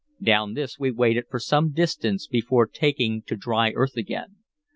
Down this we waded for some distance before taking to dry earth again.